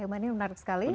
ya ini menarik sekali